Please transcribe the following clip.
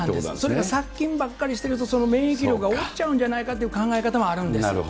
それを殺菌ばっかりしてると、その免疫力が落ちちゃうんじゃないかという考え方もあるんですよ